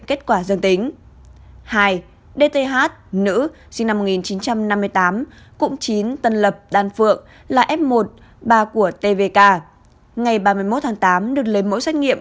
kết quả dương tính hai dth nữ sinh năm một nghìn chín trăm năm mươi tám cụm chín tân lập đan phượng là f một ba của tvk ngày ba mươi một tháng tám được lấy mẫu xét nghiệm